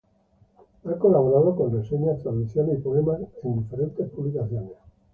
Ha colaborado con reseñas, traducciones y poemas en diferentes publicaciones.